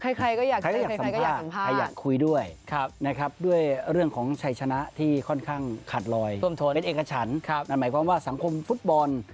ใครก็อยากสัมภาษณ์คุยด้วยนะครับด้วยเรื่องของชัยชนะที่ค่อนข้างขาดลอยเป็นเอกชันหมายความว่าสังคมฟุตบอล